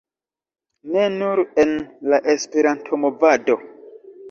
... ne nur en la Esperanto-movado